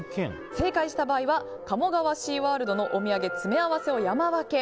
正解した場合は鴨川シーワールドのお土産詰め合わせを山分け。